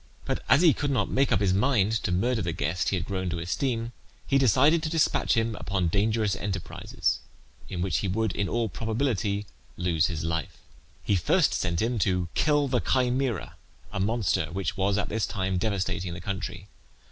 But as he could not make up his mind to murder the guest he had grown to esteem, he decided to despatch him upon dangerous enterprises, in which he would in all probability lose his life. He first sent him to kill the Chimaera, a monster which was at this time devastating the country.